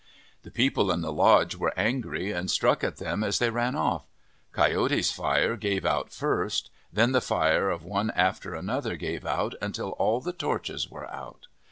The people in the lodge were angry and struck at them as they ran off. Coyote's fire gave out first, then the fire of one after another gave out until all the torches were out.